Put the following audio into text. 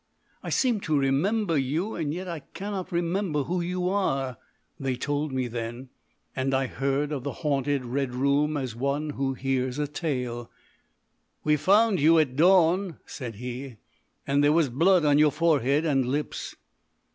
"I seem to remember you, and yet I cannot remember who you are." They told me then, and I heard of the haunted Red Room as one who hears a tale. "We found you at dawn," said he, "and there was blood on your forehead and lips."